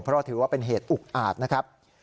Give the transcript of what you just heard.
เพราะถือว่าเป็นเหตุอุกอาจนะครับ